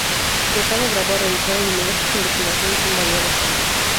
Gonzalo Bravo ha realizado numerosas investigaciones en variados campos.